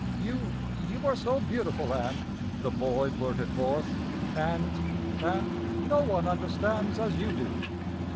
"You you are so beautiful, Ann," the boy blurted forth, "and and no one understands as you do."